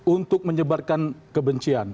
untuk menyebarkan kebencian